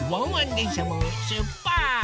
でんしゃもしゅっぱつ！